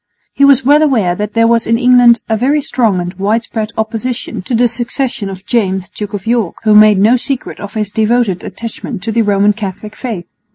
He was well aware that there was in England a very strong and widespread opposition to the succession of James Duke of York, who made no secret of his devoted attachment to the Roman Catholic faith.